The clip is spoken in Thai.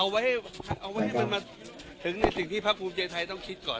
เอาไว้เอาไว้ให้มันมาถึงสิ่งที่พระคุณเจ้าไทยต้องคิดก่อน